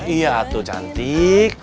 iya tuh cantik